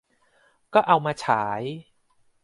ก็เอามาฉาย